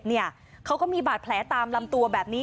เขาก็มีบาดแผลตามลำตัวแบบนี้